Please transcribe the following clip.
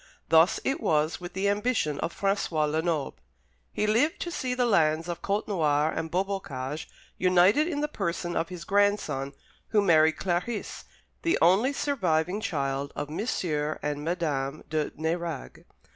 Thus it was with the ambition of François Lenoble. He lived to see the lands of Côtenoir and Beaubocage united in the person of his grandson, who married Clarice, the only surviving child of M. and Madame de Nérague.